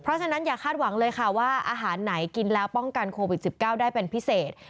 เพราะฉะนั้นอย่าคาดหวังเลยค่ะว่าอาหารไหนกินแล้วป้องกันโควิด๑๙ได้เป็นพิเศษ